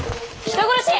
人殺し！